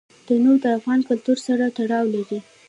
تنوع د افغان کلتور سره تړاو لري.